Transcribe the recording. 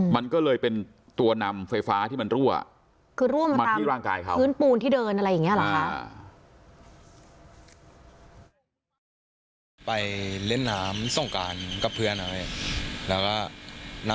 มันก็เลยเป็นตัวนำไฟฟ้าที่ร่วงมันที่ร่างกายเขา